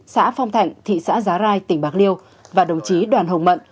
xã phong thạnh thị xã giá rai tỉnh bạc liêu và đồng chí đoàn hồng mận